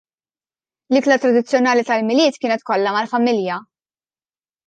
L-ikla tradizzjonali tal-Milied kienet kollha mal-familja.